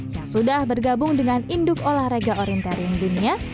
yang sudah bergabung dengan induk olahraga orienterim dunia